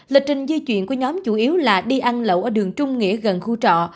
lịch trình di chuyển của nhóm chủ yếu là đi ăn lậu ở đường trung nghĩa gần khu trọ